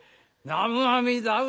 南無阿弥陀仏。